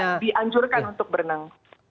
dan dianjurkan untuk berenang